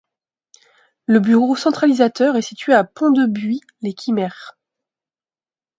Le bureau centralisateur est situé à Pont-de-Buis-lès-Quimerch.